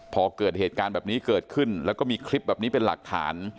พอเกิดเหตุการณ์แบบนี้เกิดขึ้นแล้วก็มีคลิปแบบนี้เป็นหลักฐาน